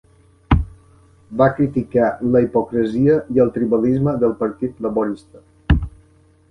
Va criticar la hipocresia i el tribalisme del Partit Laborista.